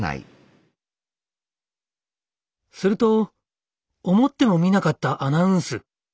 すると思ってもみなかったアナウンス。